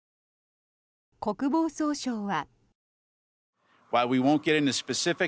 国防総省は。